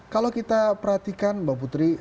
kalau kita perhatikan mbak putri